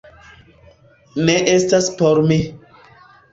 Ne estas por mi